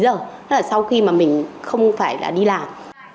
đó là sau khi mà mình không phải là đi làm